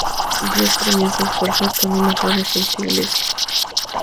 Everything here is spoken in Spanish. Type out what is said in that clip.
Dios premió su esfuerzo con una floreciente Iglesia.